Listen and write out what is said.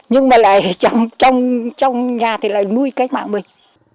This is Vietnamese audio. nhưng mà lại chẳng trong nhà thì lại nuôi cách mạng mình